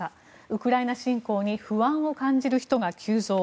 ウクライナ侵攻に不安を感じる人が急増。